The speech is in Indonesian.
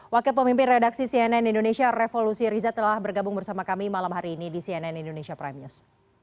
wakil pemimpin redaksi cnn indonesia revolusi riza telah bergabung bersama kami malam hari ini di cnn indonesia prime news